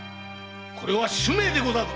これは主命でござるぞ！